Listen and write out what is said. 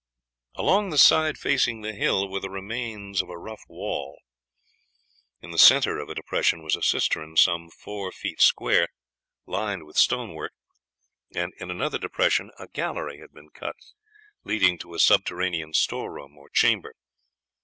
Along the side facing the hill were the remains of a rough wall. In the center of a depression was a cistern, some four feet square, lined with stone work, and in another depression a gallery had been cut, leading to a subterranean storeroom or chamber.